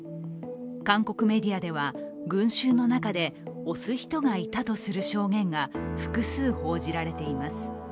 韓国メディアでは群衆の中で押す人がいたという証言が複数報じられています。